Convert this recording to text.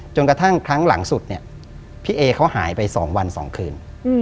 กระทั่งครั้งหลังสุดเนี่ยพี่เอเขาหายไป๒วัน๒คืน